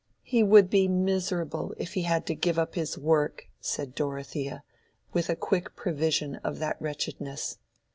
"He would be miserable, if he had to give up his work," said Dorothea, with a quick prevision of that wretchedness.